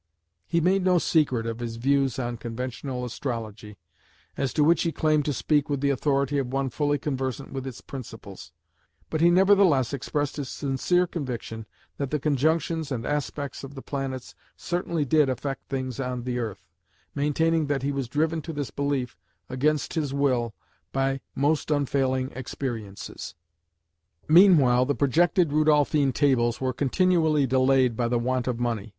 He made no secret of his views on conventional astrology, as to which he claimed to speak with the authority of one fully conversant with its principles, but he nevertheless expressed his sincere conviction that the conjunctions and aspects of the planets certainly did affect things on the earth, maintaining that he was driven to this belief against his will by "most unfailing experiences". Meanwhile the projected Rudolphine Tables were continually delayed by the want of money.